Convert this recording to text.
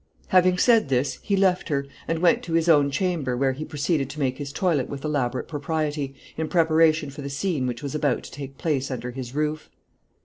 Having said this, he left her, and went to his own chamber, where he proceeded to make his toilet with elaborate propriety, in preparation for the scene which was about to take place under his roof.